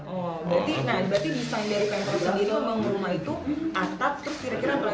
oh berarti disangkirkan sendiri pembangunan rumah itu atap terus kira kira apa lagi